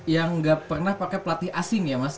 yang nggak pernah pakai pelatih asing ya mas